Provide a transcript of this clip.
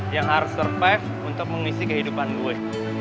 yang harus survive untuk mengisi kehidupan gue